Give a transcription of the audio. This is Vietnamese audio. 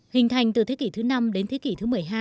hình thành từ thế kỷ thứ năm đến thế kỷ thứ một mươi hai